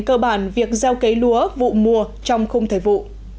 cơ bản việc gieo cấy lúa vụ mùa trong khung thời vụ